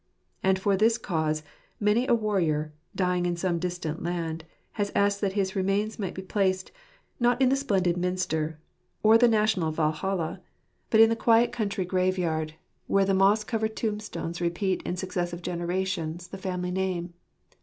And for this cause, many a warrior, dying in some distant land, has asked that his remains might be placed, not in the splendid Minster or the national Walhalla, but in the quiet country 147 ®Ijc Canftircnre of JIacalr. graveyard, where the moss covered tombstones repeat in successive generations, the family name.